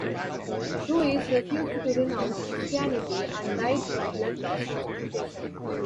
Ruiz refused to renounce Christianity and died from blood loss and suffocation.